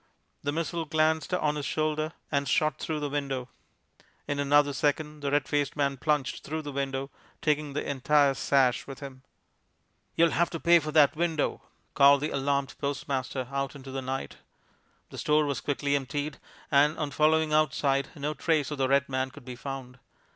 The missile glanced on his shoulder and shot through the window. In another second the red faced man plunged through the window, taking the entire sash with him. "You'll have to pay for that window!" called the alarmed postmaster out into the night. The store was quickly emptied, and on following outside no trace of the red man could be found.